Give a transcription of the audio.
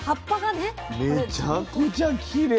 めちゃくちゃきれい。